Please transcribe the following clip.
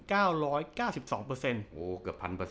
เกือบ๑๐๐๐